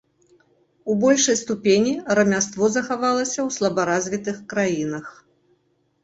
У большай ступені рамяство захавалася ў слабаразвітых краінах.